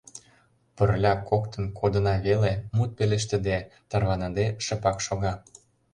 Пырля коктын кодына веле — мут пелештыде, тарваныде шыпак шога.